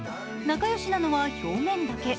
仲良しなのは表面だけ。